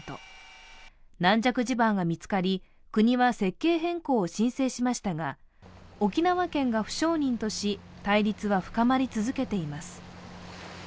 軟弱地盤が見つかり、国は設計変更を申請しましたが沖縄県が不承認とし、対立は深まり続けています。